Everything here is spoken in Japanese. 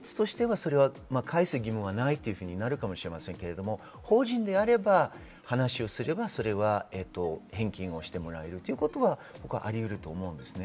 法律としては返す義務はないというふうになるかもしれませんけれど、法人であれば話をすれば、返金してもらえるということはありえると思います。